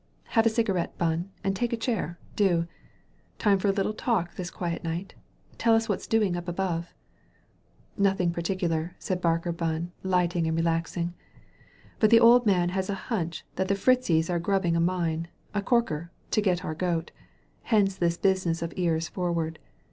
"Have a cigarette* Bunn» and take a chair, do. Time for a little talk this quiet night ? Tell us what's doing up above." "Nothing particular/' said Barker Bunn» light ing and relaxing. "But the old man has a hunch that the Fritzies are grubbing a mine — a corker — to get our goat. Hence this business of ears for ward.